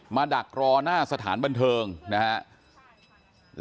แม่ขี้หมาเนี่ยเธอดีเนี่ยเธอดีเนี่ยเธอดีเนี่ย